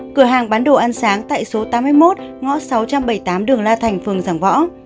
cửa hàng bán đồ ăn sáng tại số tám mươi một ngõ sáu trăm bảy mươi tám đường la thành phường giảng võ